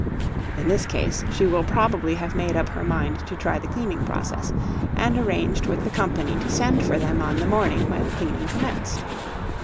In this case she will probably have made up her mind to try the cleaning process, and arranged with the company to send for them on the morning when cleaning commenced.